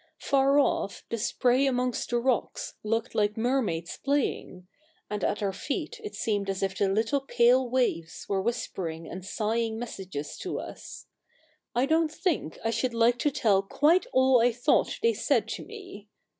Far off the spray amongst the rocks looked like mermaids playing ; and at our feet it seemed as if the little pale waves were whispering and sighing messages to us. I don't think I should like to tell quite all I thought they said to me.